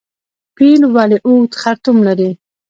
پیل ولې اوږد خرطوم لري؟